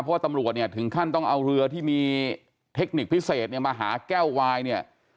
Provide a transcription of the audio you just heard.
เพราะตำรวจถึงขั้นต้องเอาเรือที่มีเทคนิคพิเศษมาหาแก้ววาย